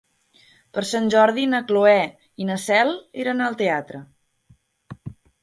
Per Sant Jordi na Cloè i na Cel iran al teatre.